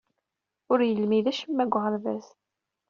Ur yelmid acemma deg uɣerbaz.